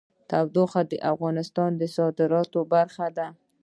تودوخه د افغانستان د صادراتو برخه ده.